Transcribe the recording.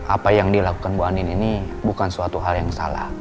apa yang dilakukan bu anin ini bukan suatu hal yang salah